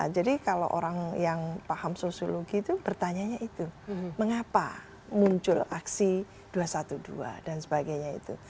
jadi kalau orang yang paham sosiologi itu bertanya itu mengapa muncul aksi dua ratus dua belas dan sebagainya itu